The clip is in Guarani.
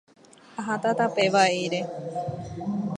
Aháta tape vaíre.